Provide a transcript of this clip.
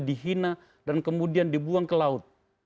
dihina dan kemudian dibuang ke laut